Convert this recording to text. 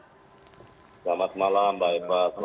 selamat malam mbak eva